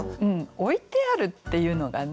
「置いてある」っていうのがね